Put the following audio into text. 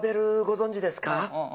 バベルご存じですか？